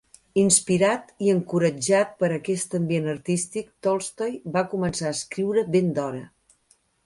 Inspirat i encoratjat per aquest ambient artístic, Tolstoi va començar a escriure ben d'hora.